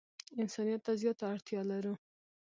انسانیت ته زیاته اړتیا لرو.